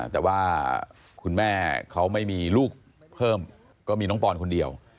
แต่ว่าคุณแม่เขาไม่มีลูกเพิ่มก็มีน้องปอนคนเดียว